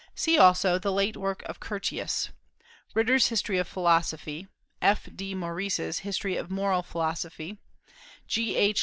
See also the late work of Curtius; Ritter's History of Philosophy; F.D. Maurice's History of Moral Philosophy; G. H.